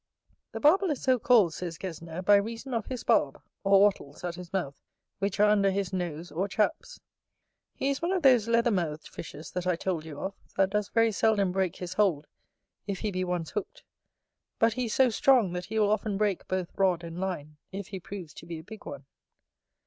The Barbel is so called, says Gesner, by reason of his barb or wattles at his mouth, which are under his nose or chaps. He is one of those leather mouthed fishes that I told you of, that does very seldom break his hold if he be once hooked: but he is so strong, that he will often break both rod and line, if he proves to be a big one.